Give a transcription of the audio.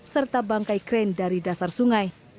serta bangkai krain dari dasar sungai